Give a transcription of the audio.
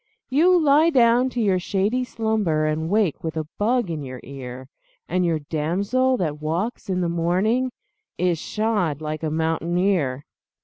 You lie down to your shady slumber And wake with a bug in your ear, And your damsel that walks in the morning Is shod like a mountaineer.